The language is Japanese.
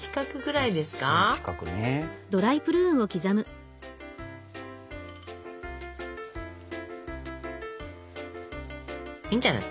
いいんじゃない？